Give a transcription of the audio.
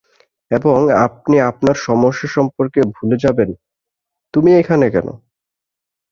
এবং আপনি আপনার সমস্যা সম্পর্কে ভুলে যাবেন -তুমি এখানে কেন?